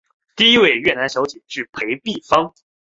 第一位越南小姐是裴碧芳。